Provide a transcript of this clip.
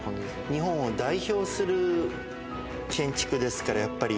日本を代表する建築ですからやっぱり。